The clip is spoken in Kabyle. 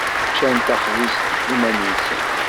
Ččan taxbizt iman-nsen.